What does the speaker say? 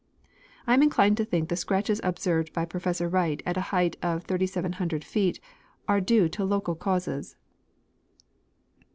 I am inclined to think the scratches observed by Professor AVright at a height of 3,700 feet * are due to local causes.